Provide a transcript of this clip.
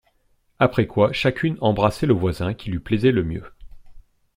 Après quoi chacune embrassait le voisin qui lui plaisait le mieux.